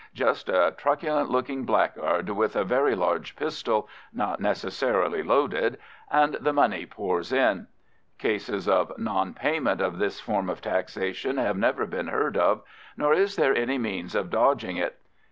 Just a truculent looking blackguard with a very large pistol, not necessarily loaded, and the money pours in. Cases of non payment of this form of taxation have never been heard of, nor is there any means of dodging it.